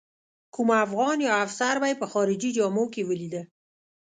کوم افغان یا افسر به یې په خارجي جامو کې ولیده.